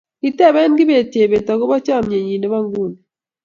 kiteben kibet Chebet agoba chamanenyi nebo nguno